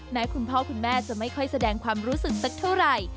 คุณพ่อคุณแม่จะไม่ค่อยแสดงความรู้สึกสักเท่าไหร่